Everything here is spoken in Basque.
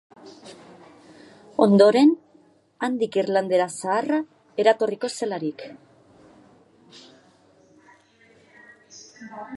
Ondoren, handik irlandera zaharra eratorriko zelarik.